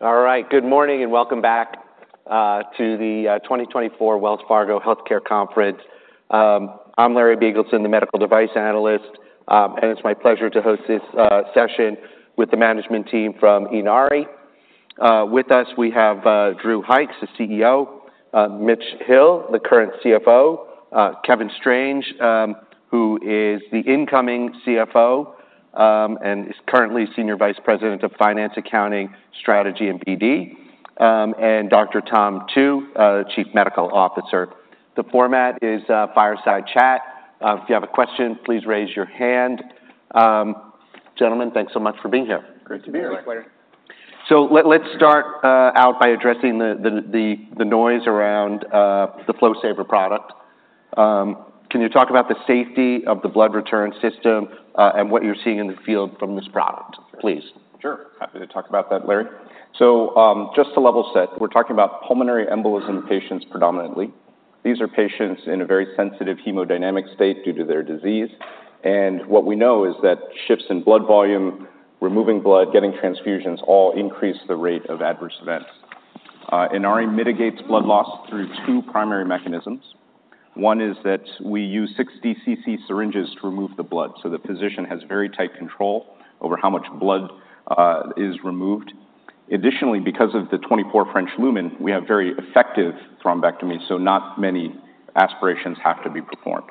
All right, good morning, and welcome back to the 2024 Wells Fargo Healthcare Conference. I'm Larry Biegelsen, the medical device analyst, and it's my pleasure to host this session with the management team from Inari. With us, we have Drew Hykes, the CEO, Mitch Hill, the current CFO, Kevin Strange, who is the incoming CFO and is currently Senior Vice President of Finance, Accounting, Strategy, and BD, and Dr. Tom Tu, Chief Medical Officer. The format is fireside chat. If you have a question, please raise your hand. Gentlemen, thanks so much for being here. Great to be here. Thank you, Larry. Let's start out by addressing the noise around the FlowSaver product. Can you talk about the safety of the blood return system, and what you're seeing in the field from this product, please? Sure. Happy to talk about that, Larry. So, just to level set, we're talking about pulmonary embolism patients predominantly. These are patients in a very sensitive hemodynamic state due to their disease, and what we know is that shifts in blood volume, removing blood, getting transfusions, all increase the rate of adverse events. Inari mitigates blood loss through two primary mechanisms. One is that we use 60 cc syringes to remove the blood, so the physician has very tight control over how much blood is removed. Additionally, because of the 24 French Lumen, we have very effective thrombectomy, so not many aspirations have to be performed.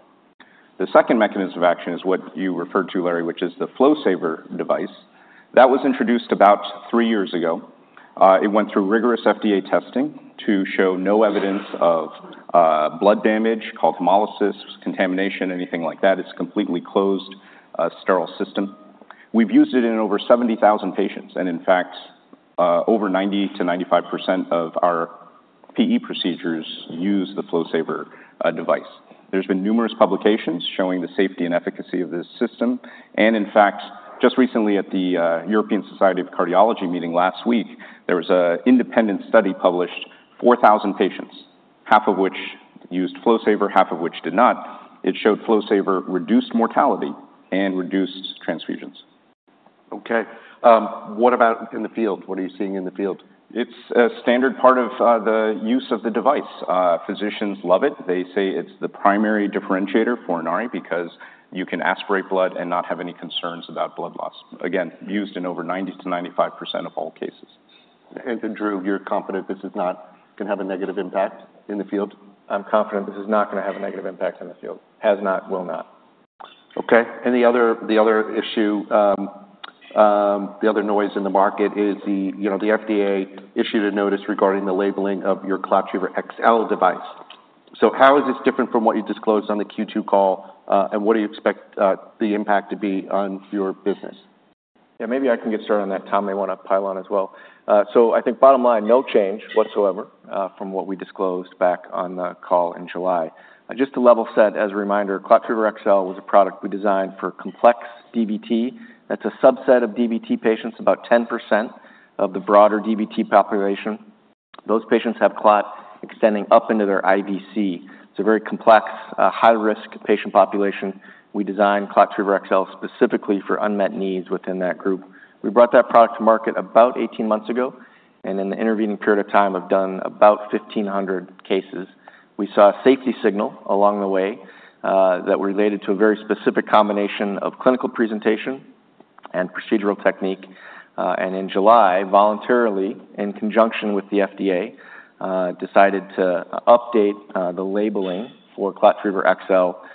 The second mechanism of action is what you referred to, Larry, which is the FlowSaver device. That was introduced about three years ago. It went through rigorous FDA testing to show no evidence of blood damage called hemolysis, contamination, anything like that. It's a completely closed sterile system. We've used it in over 70,000 patients, and in fact, over 90%-95% of our PE procedures use the FlowSaver device. There's been numerous publications showing the safety and efficacy of this system, and in fact, just recently at the European Society of Cardiology meeting last week, there was an independent study published, 4,000 patients, half of which used FlowSaver, half of which did not. It showed FlowSaver reduced mortality and reduced transfusions. Okay. What about in the field? What are you seeing in the field? It's a standard part of the use of the device. Physicians love it. They say it's the primary differentiator for Inari because you can aspirate blood and not have any concerns about blood loss. Again, used in over 90%-95% of all cases. And then, Drew, you're confident this is not gonna have a negative impact in the field? I'm confident this is not gonna have a negative impact in the field. Has not, will not. Okay. And the other issue, the other noise in the market is, you know, the FDA issued a notice regarding the labeling of your ClotTriever XL device. So how is this different from what you disclosed on the Q2 call, and what do you expect the impact to be on your business? Yeah, maybe I can get started on that. Tom may want to pile on as well. So I think bottom line, no change whatsoever from what we disclosed back on the call in July. Just to level set, as a reminder, ClotTriever XL was a product we designed for complex DVT. That's a subset of DVT patients, about 10% of the broader DVT population. Those patients have clot extending up into their IVC. It's a very complex, high-risk patient population. We designed ClotTriever XL specifically for unmet needs within that group. We brought that product to market about 18 months ago, and in the intervening period of time, have done about 1,500 cases. We saw a safety signal along the way, that related to a very specific combination of clinical presentation and procedural technique. And in July, voluntarily, in conjunction with the FDA, decided to update the labeling for ClotTriever XL,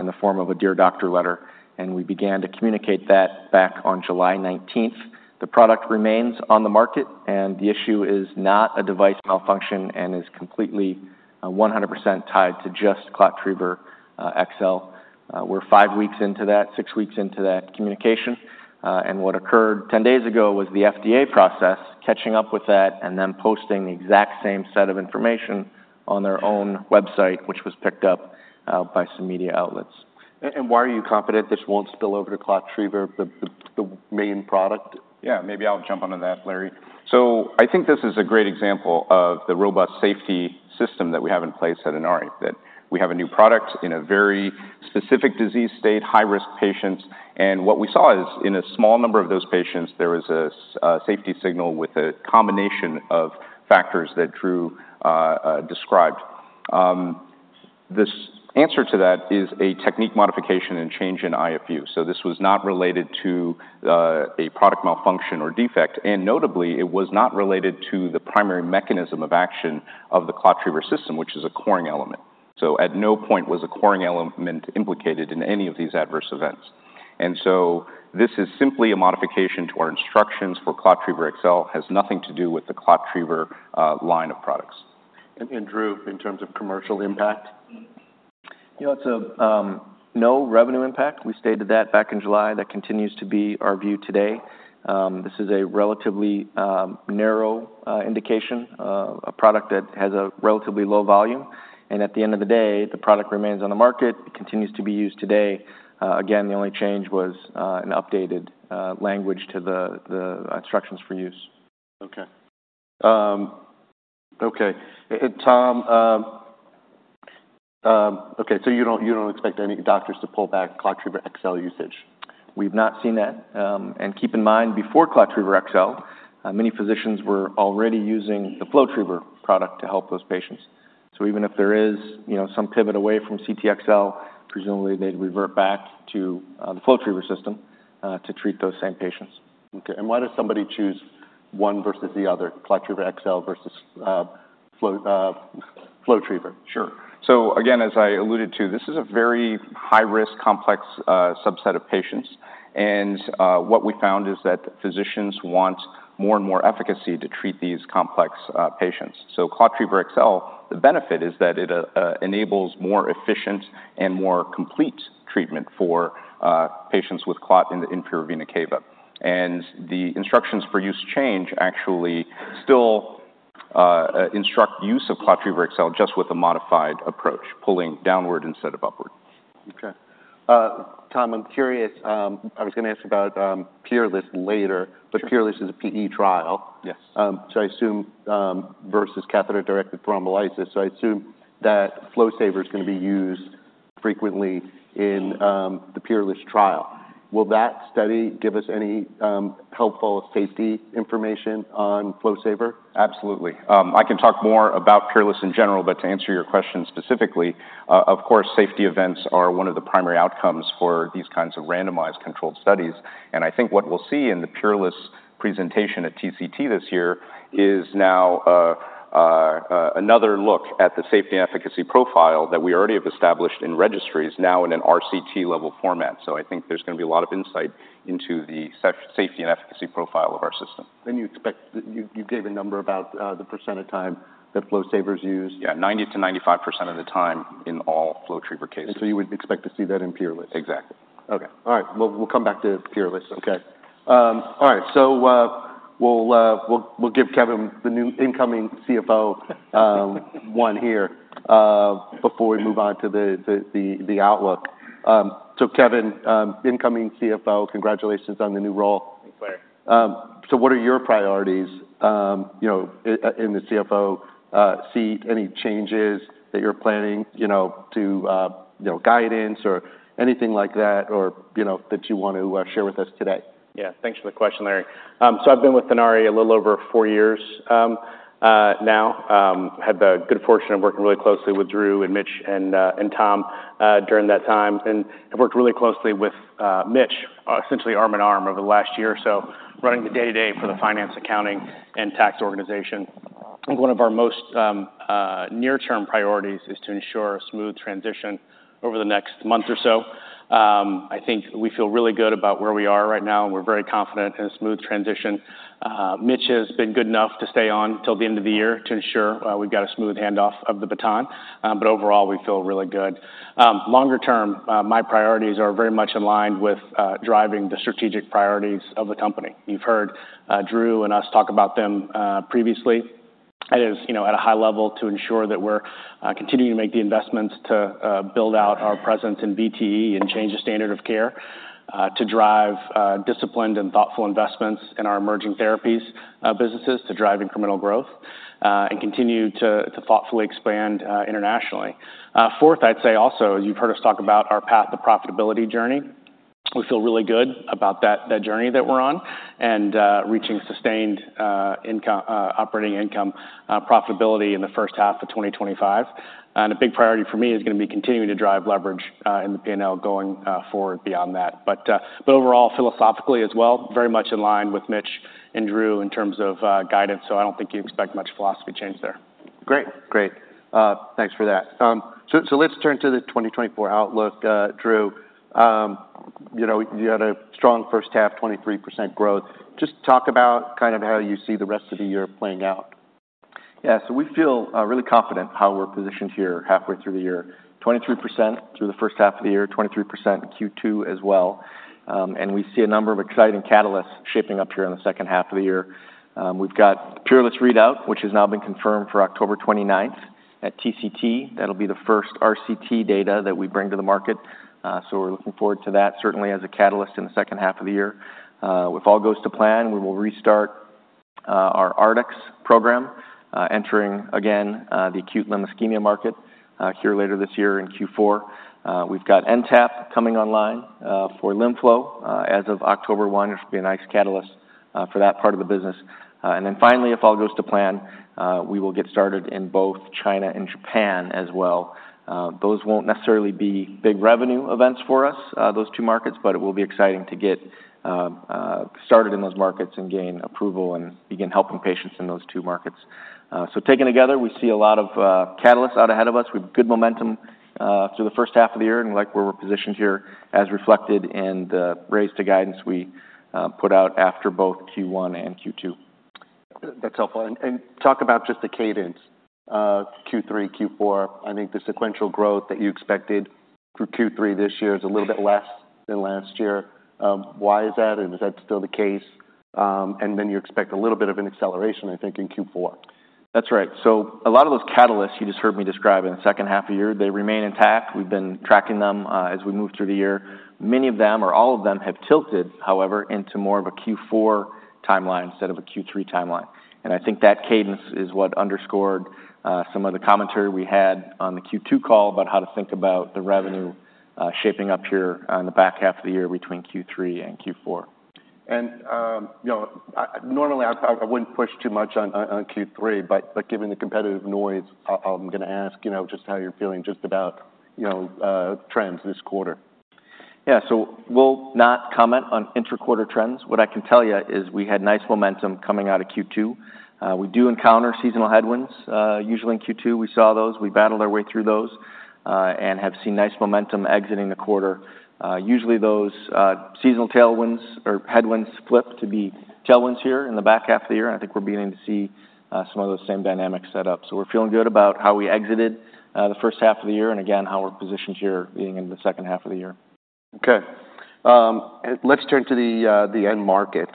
in the form of a Dear Doctor letter, and we began to communicate that back on July 19th. The product remains on the market, and the issue is not a device malfunction and is completely, 100% tied to just ClotTriever XL. We're five weeks into that, six weeks into that communication, and what occurred 10 days ago was the FDA process, catching up with that and then posting the exact same set of information on their own website, which was picked up by some media outlets. Why are you confident this won't spill over to ClotTriever, the main product? Yeah, maybe I'll jump onto that, Larry. So I think this is a great example of the robust safety system that we have in place at Inari. That we have a new product in a very specific disease state, high-risk patients, and what we saw is, in a small number of those patients, there was a safety signal with a combination of factors that Drew described. This answer to that is a technique modification and change in IFU. So this was not related to a product malfunction or defect, and notably, it was not related to the primary mechanism of action of the ClotTriever system, which is a coring element. So at no point was a coring element implicated in any of these adverse events. This is simply a modification to our instructions for ClotTriever XL. It has nothing to do with the ClotTriever line of products. Drew, in terms of commercial impact? You know, it's a no revenue impact. We stated that back in July. That continues to be our view today. This is a relatively narrow indication, a product that has a relatively low volume, and at the end of the day, the product remains on the market. It continues to be used today. Again, the only change was an updated language to the instructions for use. Okay, Tom, so you don't expect any doctors to pull back ClotTriever XL usage? We've not seen that. And keep in mind, before ClotTriever XL, many physicians were already using the FlowTriever product to help those patients. So even if there is, you know, some pivot away from CTXL, presumably they'd revert back to the FlowTriever system to treat those same patients. Okay, and why does somebody choose one versus the other, ClotTriever XL versus FlowTriever? Sure. So again, as I alluded to, this is a very high-risk, complex, subset of patients. And, what we found is that physicians want more and more efficacy to treat these complex, patients. So ClotTriever XL, the benefit is that it, enables more efficient and more complete treatment for, patients with clot in the inferior vena cava. And the instructions for use change actually still, instruct use of ClotTriever XL, just with a modified approach, pulling downward instead of upward. Okay. Tom, I'm curious. I was gonna ask about PEERLESS later- Sure. But PEERLESS is a PE trial. Yes. So I assume versus catheter-directed thrombolysis. So I assume that FlowSaver is gonna be used frequently in the PEERLESS trial. Will that study give us any helpful safety information on FlowSaver? Absolutely. I can talk more about PEERLESS in general, but to answer your question specifically, of course, safety events are one of the primary outcomes for these kinds of randomized controlled studies. And I think what we'll see in the PEERLESS presentation at TCT this year is now another look at the safety and efficacy profile that we already have established in registries now in an RCT level format. So I think there's gonna be a lot of insight into the safety and efficacy profile of our system. Then you expect. You, you gave a number about, the percent of time that FlowSaver is used. Yeah, 90%-95% of the time in all FlowTriever cases. And so you would expect to see that in PEERLESS? Exactly. Okay. All right, we'll, we'll come back to PEERLESS. Okay. All right, so we'll give Kevin, the new incoming CFO, one here before we move on to the outlook. So Kevin, incoming CFO, congratulations on the new role. Thanks, Larry. So what are your priorities, you know, in the CFO seat? Any changes that you're planning, you know, to you know guidance or anything like that, or you know that you want to share with us today? Yeah. Thanks for the question, Larry. So I've been with Inari a little over four years now. Had the good fortune of working really closely with Drew and Mitch and Tom during that time, and have worked really closely with Mitch, essentially arm in arm over the last year or so, running the day-to-day for the finance, accounting, and tax organization. I think one of our most near-term priorities is to ensure a smooth transition over the next month or so. I think we feel really good about where we are right now, and we're very confident in a smooth transition. Mitch has been good enough to stay on till the end of the year to ensure we've got a smooth handoff of the baton. But overall, we feel really good. Longer term, my priorities are very much in line with driving the strategic priorities of the company. You've heard Drew and us talk about them previously. That is, you know, at a high level, to ensure that we're continuing to make the investments to build out our presence in VTE and change the standard of care to drive disciplined and thoughtful investments in our emerging therapies businesses to drive incremental growth and continue to thoughtfully expand internationally. Fourth, I'd say also, you've heard us talk about our path to profitability journey. We feel really good about that journey that we're on, and reaching sustained operating income profitability in the first half of 2025. And a big priority for me is gonna be continuing to drive leverage in the P&L going forward beyond that. But overall, philosophically as well, very much in line with Mitch and Drew in terms of guidance, so I don't think you expect much philosophy change there. Great. Great. Thanks for that. So, so let's turn to the 2024 outlook, Drew. You know, you had a strong first half, 23% growth. Just talk about kind of how you see the rest of the year playing out. Yeah, so we feel really confident how we're positioned here halfway through the year. 23% through the first half of the year, 23% Q2 as well. And we see a number of exciting catalysts shaping up here in the second half of the year. We've got PEERLESS readout, which has now been confirmed for October 29th at TCT. That'll be the first RCT data that we bring to the market, so we're looking forward to that, certainly as a catalyst in the second half of the year. If all goes to plan, we will restart our Artix program, entering again the acute limb ischemia market here later this year in Q4. We've got NTAP coming online for LimFlow as of October 1. It should be a nice catalyst for that part of the business. And then finally, if all goes to plan, we will get started in both China and Japan as well. Those won't necessarily be big revenue events for us, those two markets, but it will be exciting to get started in those markets and gain approval and begin helping patients in those two markets. So taken together, we see a lot of catalysts out ahead of us. We have good momentum through the first half of the year, and like where we're positioned here, as reflected in the raise to guidance we put out after both Q1 and Q2. That's helpful, and talk about just the cadence of Q3, Q4. I think the sequential growth that you expected for Q3 this year is a little bit less than last year. Why is that, and is that still the case, and then you expect a little bit of an acceleration, I think, in Q4. That's right. So a lot of those catalysts you just heard me describe in the second half of the year, they remain intact. We've been tracking them as we move through the year. Many of them, or all of them, have tilted, however, into more of a Q4 timeline instead of a Q3 timeline, and I think that cadence is what underscored some of the commentary we had on the Q2 call about how to think about the revenue shaping up here on the back half of the year between Q3 and Q4? You know, I normally wouldn't push too much on Q3, but given the competitive noise, I'm gonna ask, you know, just how you're feeling about trends this quarter. Yeah, so we'll not comment on interquarter trends. What I can tell you is we had nice momentum coming out of Q2. We do encounter seasonal headwinds. Usually in Q2, we saw those. We battled our way through those, and have seen nice momentum exiting the quarter. Usually, those, seasonal tailwinds or headwinds flip to be tailwinds here in the back half of the year, and I think we're beginning to see, some of those same dynamics set up. So we're feeling good about how we exited, the first half of the year, and again, how we're positioned here being in the second half of the year. Okay. Let's turn to the end market.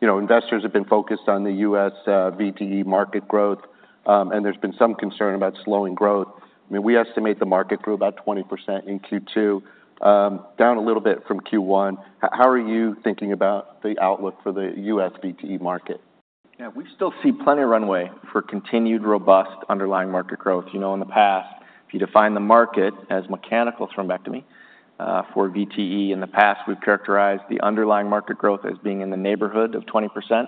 You know, investors have been focused on the U.S. VTE market growth, and there's been some concern about slowing growth. I mean, we estimate the market grew about 20% in Q2, down a little bit from Q1. How are you thinking about the outlook for the U.S. VTE market? Yeah, we still see plenty of runway for continued robust underlying market growth. You know, in the past, if you define the market as mechanical thrombectomy for VTE, in the past, we've characterized the underlying market growth as being in the neighborhood of 20%.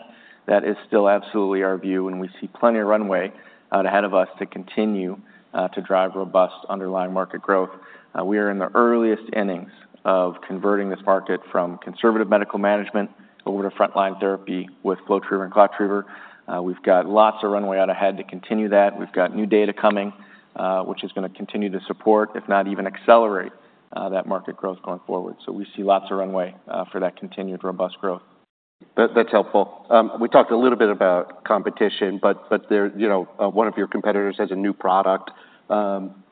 That is still absolutely our view, and we see plenty of runway out ahead of us to continue to drive robust underlying market growth. We are in the earliest innings of converting this market from conservative medical management over to frontline therapy with FlowTriever and ClotTriever. We've got lots of runway out ahead to continue that. We've got new data coming, which is gonna continue to support, if not even accelerate, that market growth going forward. So we see lots of runway for that continued robust growth. That's helpful. We talked a little bit about competition, but there. You know, one of your competitors has a new product, you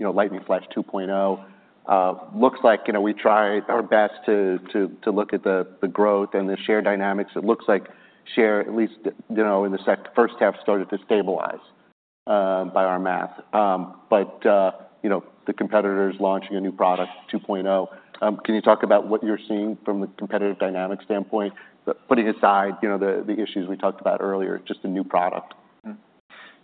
know, Lightning Flash 2.0. Looks like, you know, we try our best to look at the growth and the share dynamics. It looks like share, at least, you know, in the first half, started to stabilize, by our math. But, you know, the competitor's launching a new product, 2.0. Can you talk about what you're seeing from a competitive dynamic standpoint, but putting aside, you know, the issues we talked about earlier, just the new product? Hmm.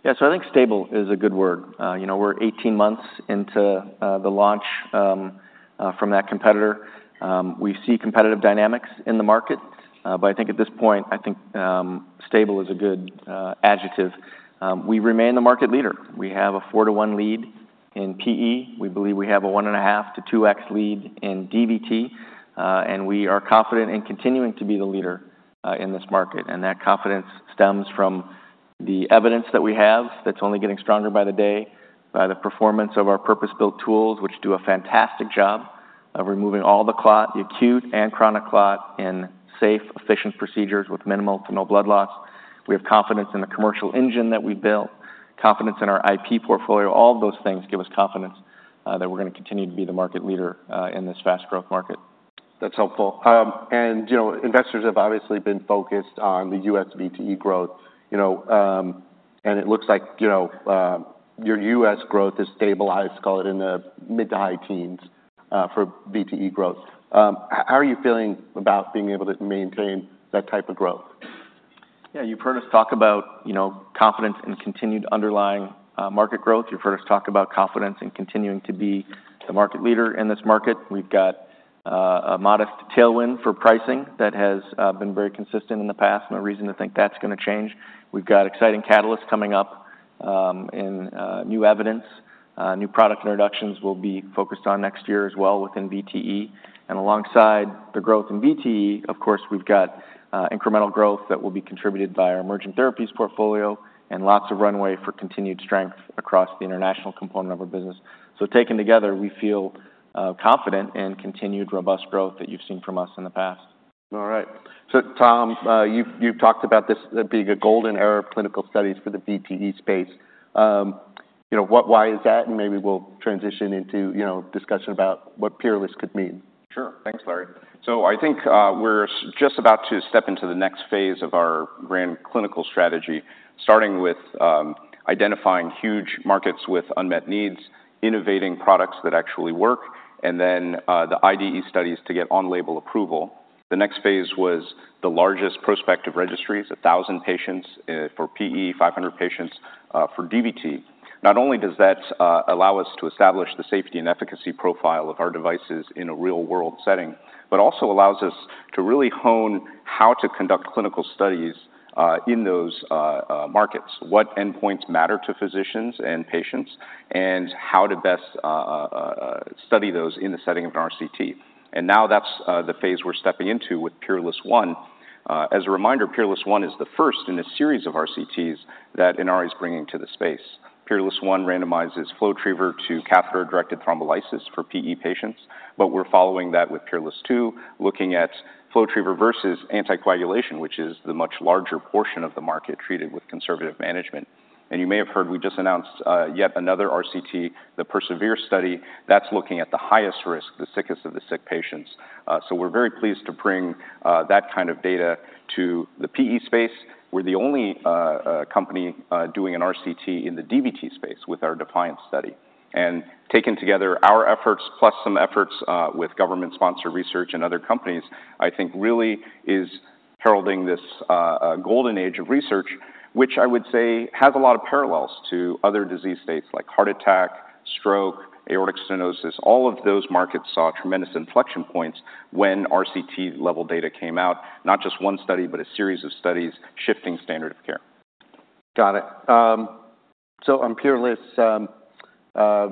Yeah, so I think stable is a good word. You know, we're eighteen months into the launch from that competitor. We see competitive dynamics in the market, but I think at this point stable is a good adjective. We remain the market leader. We have a four to one lead in PE. We believe we have a 1.5x-2x lead in DVT, and we are confident in continuing to be the leader in this market, and that confidence stems from the evidence that we have that's only getting stronger by the day, by the performance of our purpose-built tools, which do a fantastic job of removing all the clot, the acute and chronic clot, in safe, efficient procedures with minimal to no blood loss. We have confidence in the commercial engine that we built, confidence in our IP portfolio. All of those things give us confidence that we're gonna continue to be the market leader in this fast-growth market. That's helpful, and you know, investors have obviously been focused on the U.S. VTE growth, you know, and it looks like, you know, your U.S. growth is stabilized, call it, in the mid to high teens, for VTE growth. How are you feeling about being able to maintain that type of growth? Yeah, you've heard us talk about, you know, confidence in continued underlying market growth. You've heard us talk about confidence in continuing to be the market leader in this market. We've got a modest tailwind for pricing that has been very consistent in the past, no reason to think that's gonna change. We've got exciting catalysts coming up in new evidence. New product introductions we'll be focused on next year as well within VTE. And alongside the growth in VTE, of course, we've got incremental growth that will be contributed by our emerging therapies portfolio and lots of runway for continued strength across the international component of our business. So taken together, we feel confident in continued robust growth that you've seen from us in the past. All right. So Tom, you've talked about this being a golden era of clinical studies for the VTE space. You know, why is that? And maybe we'll transition into, you know, discussion about what PEERLESS could mean. Sure. Thanks, Larry. So I think, we're just about to step into the next phase of our randomized clinical strategy, starting with, identifying huge markets with unmet needs, innovating products that actually work, and then, the IDE studies to get on-label approval. The next phase was the largest prospective registries, a thousand patients for PE, five hundred patients for DVT. Not only does that allow us to establish the safety and efficacy profile of our devices in a real-world setting, but also allows us to really hone how to conduct clinical studies in those markets, what endpoints matter to physicians and patients, and how to best study those in the setting of an RCT. And now that's the phase we're stepping into with PEERLESS I. As a reminder, PEERLESS I is the first in a series of RCTs that Inari is bringing to the space. PEERLESS I randomizes FlowTriever to catheter-directed thrombolysis for PE patients, but we're following that with PEERLESS II, looking at FlowTriever versus anticoagulation, which is the much larger portion of the market treated with conservative management. And you may have heard, we just announced yet another RCT, the PERSEVERE study, that's looking at the highest risk, the sickest of the sick patients. So we're very pleased to bring that kind of data to the PE space. We're the only company doing an RCT in the DVT space with our DEFIANCE study. And taken together, our efforts, plus some efforts with government-sponsored research and other companies, I think, really is. Geralding this golden age of research, which I would say has a lot of parallels to other disease states, like heart attack, stroke, aortic stenosis. All of those markets saw tremendous inflection points when RCT-level data came out, not just one study, but a series of studies shifting standard of care. Got it. So on PEERLESS, are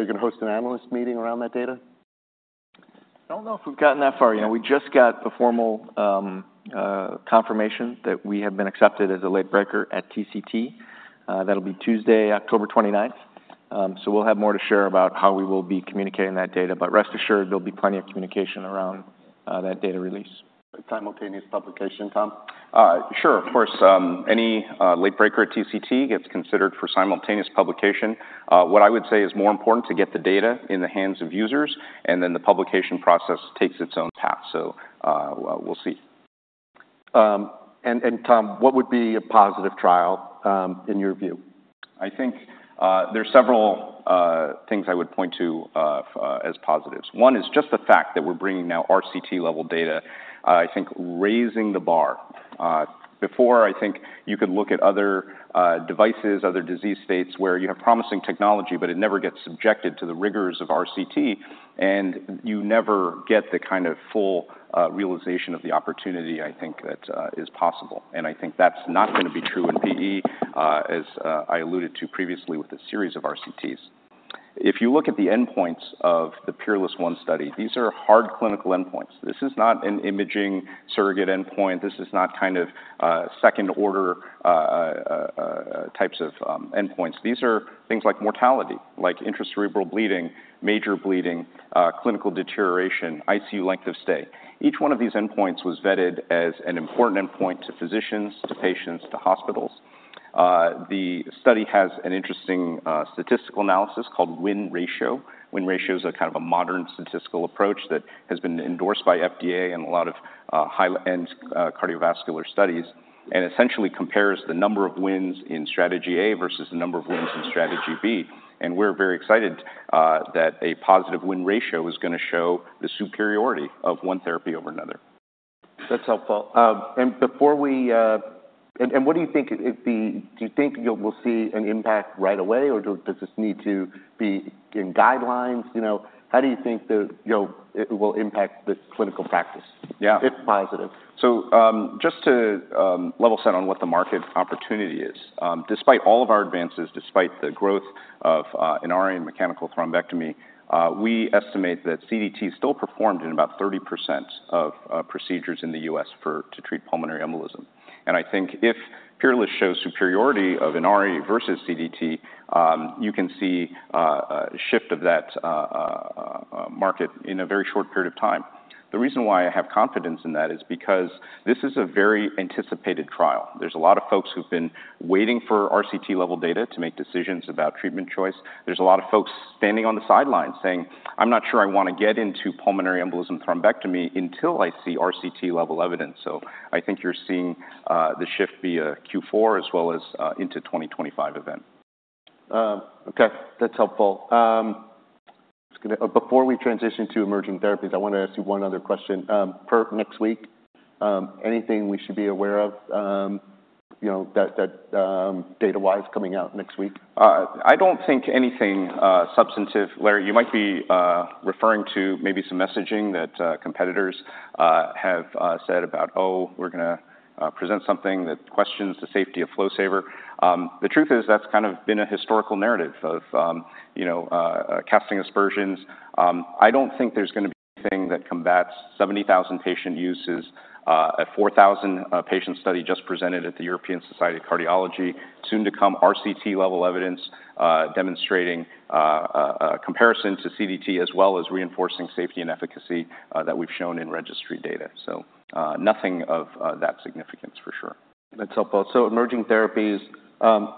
you gonna host an analyst meeting around that data? I don't know if we've gotten that far yet. We just got a formal confirmation that we have been accepted as a late breaker at TCT. That'll be Tuesday, October 29th. So we'll have more to share about how we will be communicating that data, but rest assured, there'll be plenty of communication around that data release. Simultaneous publication, Tom? Sure, of course. Any late breaker at TCT gets considered for simultaneous publication. What I would say is more important to get the data in the hands of users, and then the publication process takes its own path. So, we'll see. Tom, what would be a positive trial in your view? I think, there's several things I would point to as positives. One is just the fact that we're bringing now RCT-level data, I think, raising the bar. Before, I think you could look at other devices, other disease states, where you have promising technology, but it never gets subjected to the rigors of RCT, and you never get the kind of full realization of the opportunity I think that is possible. And I think that's not gonna be true in PE, as I alluded to previously, with a series of RCTs. If you look at the endpoints of the PEERLESS I study, these are hard clinical endpoints. This is not an imaging surrogate endpoint. This is not kind of second-order types of endpoints. These are things like mortality, like intracerebral bleeding, major bleeding, clinical deterioration, ICU length of stay. Each one of these endpoints was vetted as an important endpoint to physicians, to patients, to hospitals. The study has an interesting statistical analysis called Win Ratio. Win Ratio is a kind of a modern statistical approach that has been endorsed by FDA and a lot of high-end cardiovascular studies, and essentially compares the number of wins in strategy A versus the number of wins in strategy B. And we're very excited that a positive Win Ratio is gonna show the superiority of one therapy over another. That's helpful. And before we. And what do you think it'd be? Do you think we'll see an impact right away, or does this need to be in guidelines? You know, how do you think the, you know, it will impact the clinical practice? Yeah. - if positive? Just to level set on what the market opportunity is, despite all of our advances, despite the growth in mechanical thrombectomy, we estimate that CDT still performed in about 30% of procedures in the U.S. to treat pulmonary embolism. I think if PEERLESS shows superiority of FlowTriever versus CDT, you can see a shift of that market in a very short period of time. The reason why I have confidence in that is because this is a very anticipated trial. There's a lot of folks who've been waiting for RCT-level data to make decisions about treatment choice. There's a lot of folks standing on the sidelines saying, "I'm not sure I want to get into pulmonary embolism thrombectomy until I see RCT-level evidence." So I think you're seeing the shift via Q4 as well as into 2025 event. Okay, that's helpful. Just gonna. before we transition to emerging therapies, I want to ask you one other question. Per next week, anything we should be aware of, you know, that data-wise coming out next week? I don't think anything substantive, Larry. You might be referring to maybe some messaging that competitors have said about, "Oh, we're gonna present something that questions the safety of FlowSaver." The truth is, that's kind of been a historical narrative of, you know, casting aspersions. I don't think there's gonna be anything that combats 70,000 patient uses, a 4,000-patient study just presented at the European Society of Cardiology, soon to come RCT-level evidence, demonstrating a comparison to CDT, as well as reinforcing safety and efficacy that we've shown in registry data, so nothing of that significance for sure. That's helpful. So emerging therapies,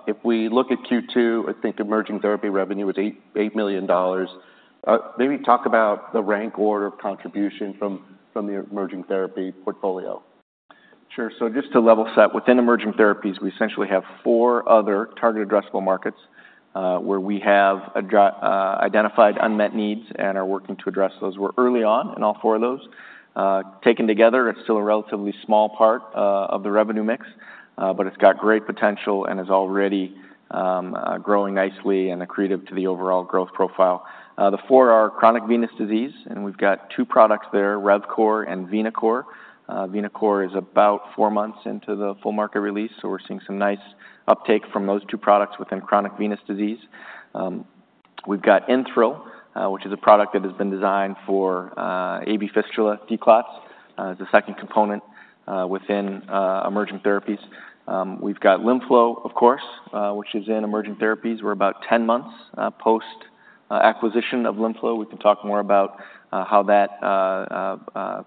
if we look at Q2, I think emerging therapy revenue was $8 million. Maybe talk about the rank order of contribution from the emerging therapy portfolio. Sure, so just to level set, within emerging therapies, we essentially have four other targeted addressable markets, where we have identified unmet needs and are working to address those. We're early on in all four of those. Taken together, it's still a relatively small part of the revenue mix, but it's got great potential and is already growing nicely and accretive to the overall growth profile. The four are chronic venous disease, and we've got two products there, RevCore and VenaCore. VenaCore is about four months into the full market release, so we're seeing some nice uptake from those two products within chronic venous disease. We've got InThrill, which is a product that has been designed for AV fistula declots, the second component within emerging therapies. We've got LimFlow, of course, which is in emerging therapies. We're about ten months post acquisition of LimFlow. We can talk more about how that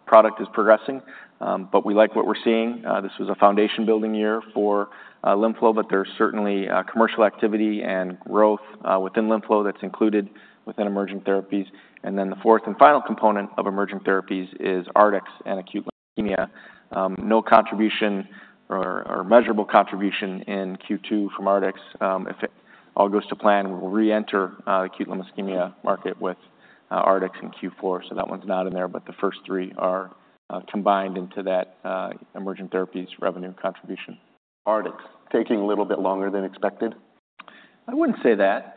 product is progressing, but we like what we're seeing. This was a foundation-building year for LimFlow, but there's certainly commercial activity and growth within LimFlow that's included within emerging therapies. And then the fourth and final component of emerging therapies is Artix and acute limb ischemia. No contribution or measurable contribution in Q2 from Artix. If all goes to plan, we will reenter acute limb ischemia market with Artix in Q4, so that one's not in there. But the first three are combined into that emerging therapies revenue contribution. Artix taking a little bit longer than expected? I wouldn't say that.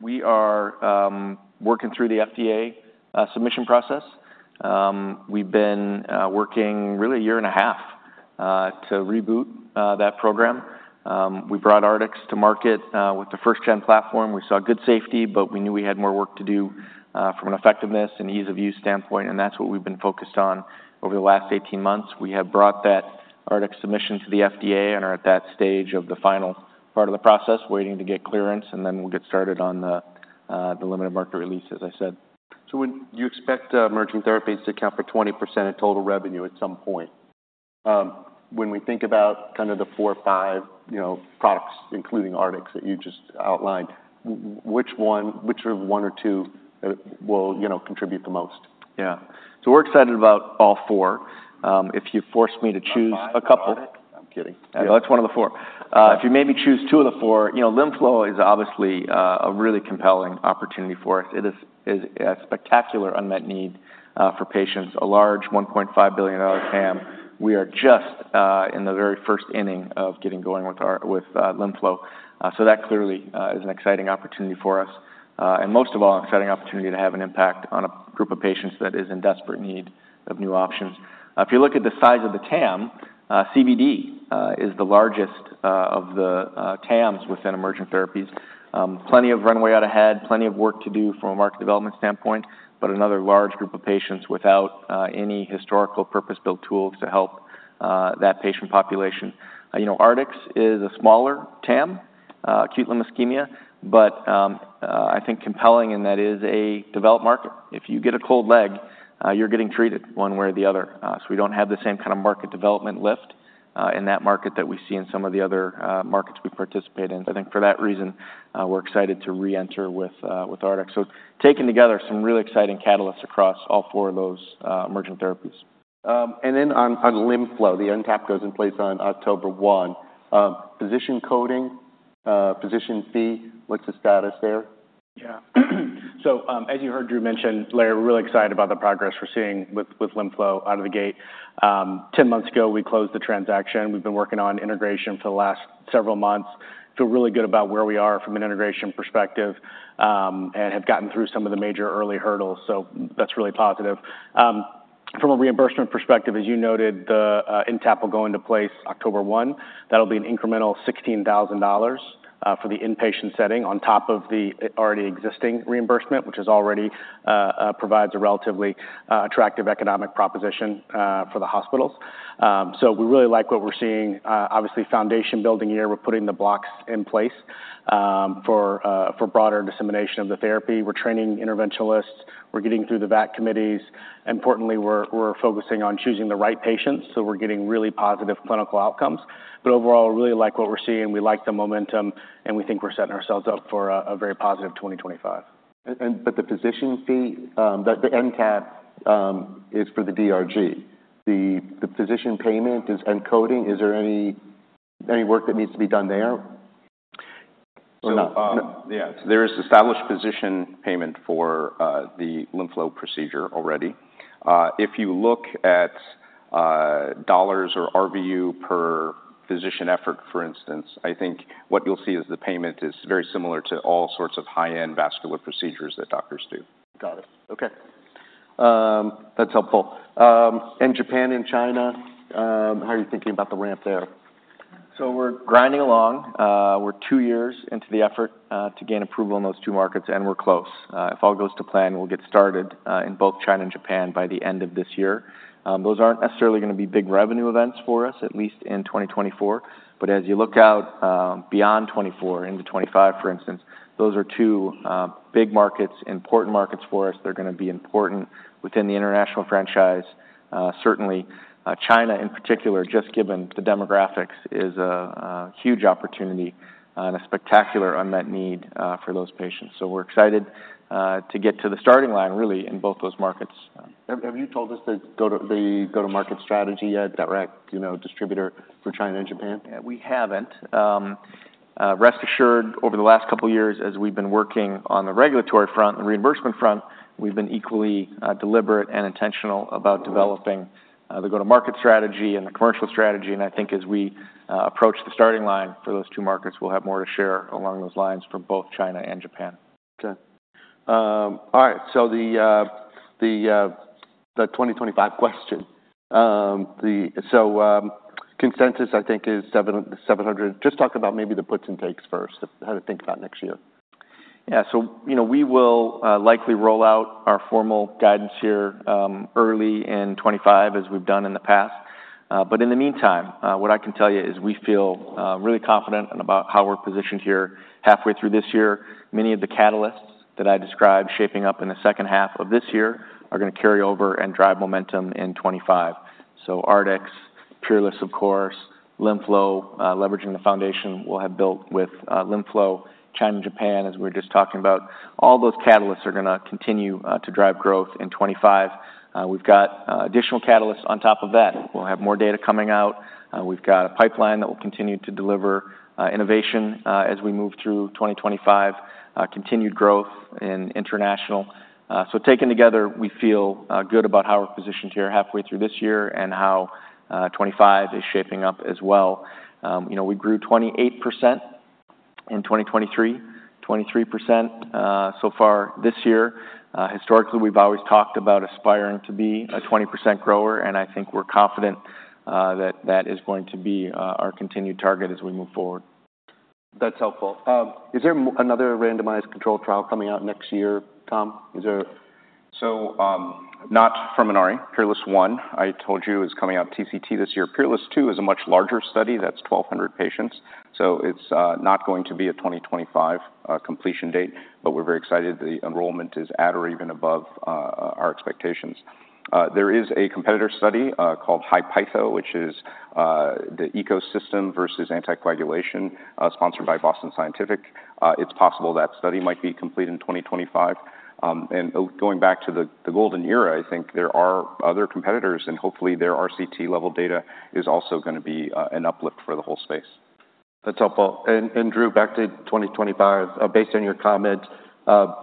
We are working through the FDA submission process. We've been working really a year and a half to reboot that program. We brought Artix to market with the first-gen platform. We saw good safety, but we knew we had more work to do from an effectiveness and ease-of-use standpoint, and that's what we've been focused on over the last eighteen months. We have brought that Artix submission to the FDA and are at that stage of the final part of the process, waiting to get clearance, and then we'll get started on the limited market release, as I said. So when you expect, emerging therapies to account for 20% of total revenue at some point, when we think about kind of the four or five, you know, products, including Artix, that you just outlined, which one or two that will, you know, contribute the most? Yeah. So we're excited about all four. If you force me to choose a couple- Five. Artix? I'm kidding. Well, that's one of the four. If you made me choose two of the four, you know, LimFlow is obviously a really compelling opportunity for us. It is a spectacular unmet need for patients. A large $1.5 billion TAM. We are just in the very first inning of getting going with our LimFlow. So that clearly is an exciting opportunity for us. And most of all, an exciting opportunity to have an impact on a group of patients that is in desperate need of new options. If you look at the size of the TAM, CVD is the largest of the TAMs within emerging therapies. Plenty of runway out ahead, plenty of work to do from a market development standpoint, but another large group of patients without any historical purpose-built tools to help that patient population. You know, Artix is a smaller TAM, acute limb ischemia, but I think compelling, and that is a developed market. If you get a cold leg, you're getting treated one way or the other. So we don't have the same kind of market development lift in that market that we see in some of the other markets we participate in. I think for that reason, we're excited to reenter with Artix. So taking together some really exciting catalysts across all four of those emerging therapies. And then on LimFlow, the NTAP goes in place on October 1. Physician coding, physician fee, what's the status there? Yeah. So, as you heard Drew mention, Larry, we're really excited about the progress we're seeing with LimFlow out of the gate. 10 months ago, we closed the transaction. We've been working on integration for the last several months. Feel really good about where we are from an integration perspective, and have gotten through some of the major early hurdles, so that's really positive. From a reimbursement perspective, as you noted, the NTAP will go into place October 1. That'll be an incremental $16,000 for the inpatient setting on top of the already existing reimbursement, which is already provides a relatively attractive economic proposition for the hospitals. So we really like what we're seeing. Obviously, foundation building year. We're putting the blocks in place for broader dissemination of the therapy. We're training interventionalists. We're getting through the VAC committees. Importantly, we're focusing on choosing the right patients, so we're getting really positive clinical outcomes. But overall, we really like what we're seeing. We like the momentum, and we think we're setting ourselves up for a very positive 2025. But the physician fee, the NTAP, is for the DRG. The physician payment is in coding. Is there any work that needs to be done there? Yeah, there is established physician payment for the LimFlow procedure already. If you look at dollars or RVU per physician effort, for instance, I think what you'll see is the payment is very similar to all sorts of high-end vascular procedures that doctors do. Got it. Okay. That's helpful. And Japan and China, how are you thinking about the ramp there? So we're grinding along. We're two years into the effort to gain approval in those two markets, and we're close. If all goes to plan, we'll get started in both China and Japan by the end of this year. Those aren't necessarily gonna be big revenue events for us, at least in 2024. But as you look out beyond 2024 into 2025, for instance, those are two big markets, important markets for us. They're gonna be important within the international franchise. Certainly, China, in particular, just given the demographics, is a huge opportunity and a spectacular unmet need for those patients. So we're excited to get to the starting line, really, in both those markets. Have you told us the go-to-market strategy yet? Direct, you know, distributor for China and Japan? We haven't. Rest assured, over the last couple of years, as we've been working on the regulatory front and reimbursement front, we've been equally deliberate and intentional about developing the go-to-market strategy and the commercial strategy. And I think as we approach the starting line for those two markets, we'll have more to share along those lines for both China and Japan. Okay. All right. So the 2025 question. So, consensus, I think, is 700. Just talk about maybe the puts and takes first, how to think about next year. Yeah. So, you know, we will likely roll out our formal guidance here early in 2025, as we've done in the past. But in the meantime, what I can tell you is we feel really confident about how we're positioned here halfway through this year. Many of the catalysts that I described shaping up in the second half of this year are gonna carry over and drive momentum in 2025. So Artix, PEERLESS, of course, LimFlow, leveraging the foundation we'll have built with LimFlow, China and Japan, as we were just talking about. All those catalysts are gonna continue to drive growth in 2025. We've got additional catalysts on top of that. We'll have more data coming out. We've got a pipeline that will continue to deliver innovation as we move through 2025, continued growth in international. So taken together, we feel good about how we're positioned here halfway through this year and how 2025 is shaping up as well. You know, we grew 28% in 2023, 23% so far this year. Historically, we've always talked about aspiring to be a 20% grower, and I think we're confident that that is going to be our continued target as we move forward. That's helpful. Is there another randomized controlled trial coming out next year, Tom? Is there- So, not from Inari. PEERLESS I, I told you, is coming out TCT this year. PEERLESS II is a much larger study. That's 1,200 patients, so it's not going to be a 2025 completion date, but we're very excited the enrollment is at or even above our expectations. There is a competitor study called HI-PEITHO, which is the EKOS system versus anticoagulation, sponsored by Boston Scientific. It's possible that study might be complete in 2025. And going back to the golden era, I think there are other competitors, and hopefully, their RCT level data is also gonna be an uplift for the whole space. That's helpful. And Drew, back to 2025. Based on your comment,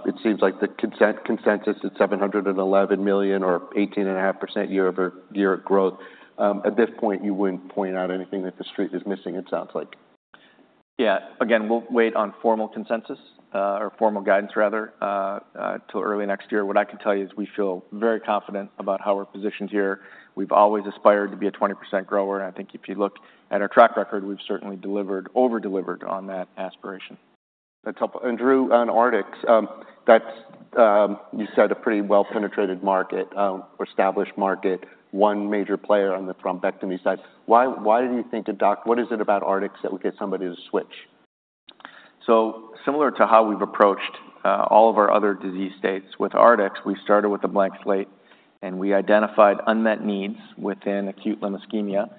it seems like the consensus is $711 million or 18.5% year-over-year growth. At this point, you wouldn't point out anything that the street is missing, it sounds like. Yeah. Again, we'll wait on formal consensus, or formal guidance rather, till early next year. What I can tell you is we feel very confident about how we're positioned here. We've always aspired to be a 20% grower, and I think if you look at our track record, we've certainly delivered- over-delivered on that aspiration. That's helpful. Drew, on Artix, that's you said a pretty well-penetrated market or established market, one major player on the thrombectomy side. Why do you think, what is it about Artix that would get somebody to switch? So similar to how we've approached all of our other disease states, with Artix, we started with a blank slate, and we identified unmet needs within acute limb ischemia.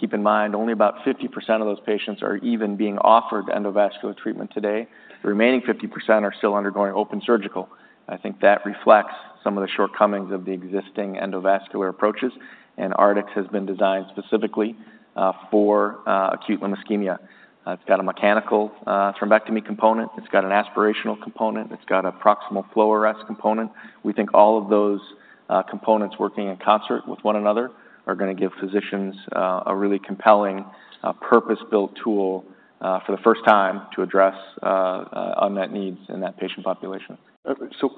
Keep in mind, only about 50% of those patients are even being offered endovascular treatment today. The remaining 50% are still undergoing open surgical. I think that reflects some of the shortcomings of the existing endovascular approaches, and Artix has been designed specifically for acute limb ischemia. It's got a mechanical thrombectomy component. It's got an aspirational component. It's got a proximal flow arrest component. We think all of those components working in concert with one another are gonna give physicians a really compelling purpose-built tool for the first time to address unmet needs in that patient population. So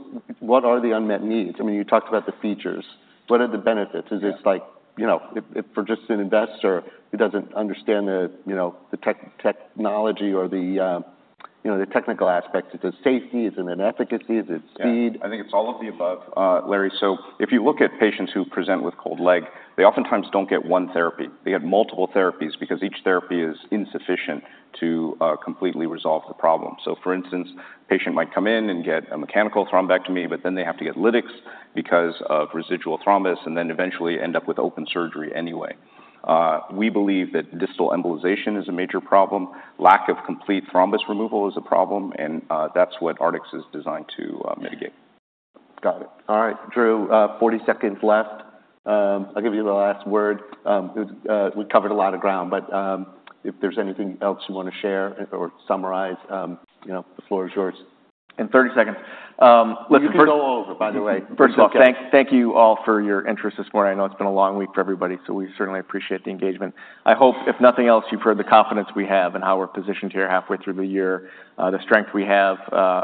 what are the unmet needs? I mean, you talked about the features. What are the benefits? Yeah. Is it like, you know, if for just an investor who doesn't understand the, you know, the technology or the, you know, the technical aspects, is it safety? Is it in efficacy? Is it speed? Yeah. I think it's all of the above, Larry. So if you look at patients who present with cold leg, they oftentimes don't get one therapy. They get multiple therapies because each therapy is insufficient to completely resolve the problem. So for instance, patient might come in and get a mechanical thrombectomy, but then they have to get lytics because of residual thrombus, and then eventually end up with open surgery anyway. We believe that distal embolization is a major problem. Lack of complete thrombus removal is a problem, and that's what Artix is designed to mitigate. Got it. All right, Drew, 40 seconds left. I'll give you the last word. We covered a lot of ground, but, if there's anything else you wanna share or summarize, you know, the floor is yours. In 30 seconds. Listen- You can go over, by the way. First of all, thank you all for your interest this morning. I know it's been a long week for everybody, so we certainly appreciate the engagement. I hope, if nothing else, you've heard the confidence we have and how we're positioned here halfway through the year, the strength we have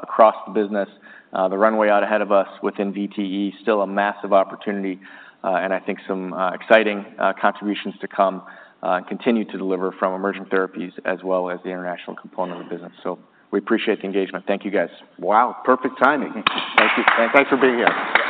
across the business, the runway out ahead of us within VTE, still a massive opportunity, and I think some exciting contributions to come, and continue to deliver from emergent therapies as well as the international component of the business. So we appreciate the engagement. Thank you, guys. Wow, perfect timing. Thank you. Thanks for being here.